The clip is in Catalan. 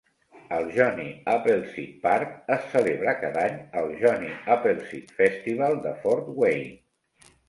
Al Johnny Appleseed Park es celebra cada any el Johnny Appleseed Festival de Fort Wayne.